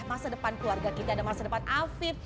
masa depan keluarga kita dan masa depan afif